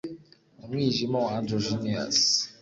mu mwijima wa androgynous